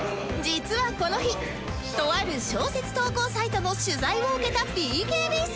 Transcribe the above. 実はこの日とある小説投稿サイトの取材を受けた ＢＫＢ さん